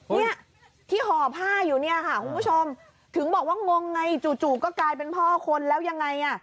เนี่ยที่ห่อผ้าอยู่เนี่ยค่ะคุณผู้ชมถึงบอกว่างงไงจู่ก็กลายเป็นพ่อคนแล้วยังไงอ่ะ